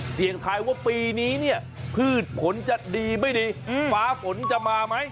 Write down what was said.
เสียงทายว่าปีนี้เนี่ยพืชผลจะดีไม่ดีฟ้าฝนจะมาไหม